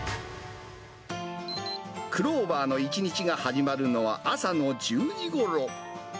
くろーばーの一日が始まるのは朝の１０時ごろ。